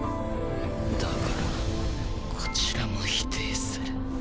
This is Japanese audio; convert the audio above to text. だからこちらも否定する。